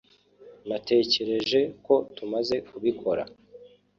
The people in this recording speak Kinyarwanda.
natekereje ko tumaze kubikora